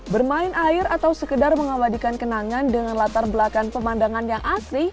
bermain air atau sekedar mengabadikan kenangan dengan latar belakang pemandangan yang asli